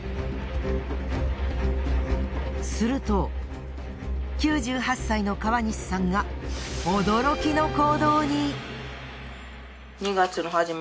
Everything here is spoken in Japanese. すると９８歳の川西さんが驚きの行動に。